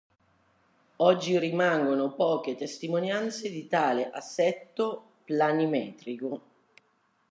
Oggi rimangono poche testimonianze di tale assetto planimetrico.